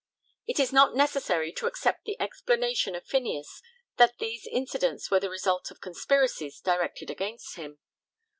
It is not necessary to accept the explanation of Phineas that these incidents were the results of conspiracies directed against him.